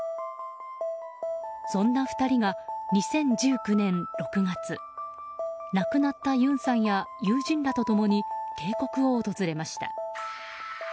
そんな２人が２０１９年６月亡くなったユンさんや友人らと共に渓谷を訪れました。